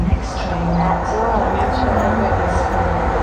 A pua’ wù nshèt rèt-tu.